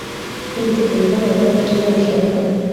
n ubucukuzi bw amabuye y agaciro rushobora